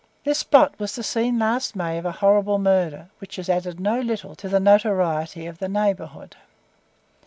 This spot was the scene last May of a horrible murder, which has added no little to the notoriety of the neighbourhood.